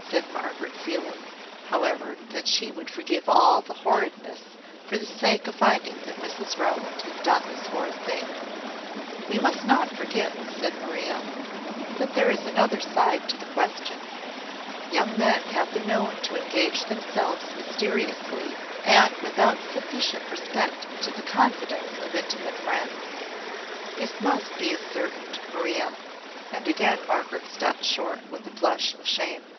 said Margaret, feeling, however, that she would forgive all the horridness for the sake of finding that Mrs Rowland had done this horrid thing. "We must not forget," said Maria, "that there is another side to the question. Young men have been known to engage themselves mysteriously, and without sufficient respect to the confidence of intimate friends." "This must be ascertained, Maria;" and again Margaret stopped short with a blush of shame.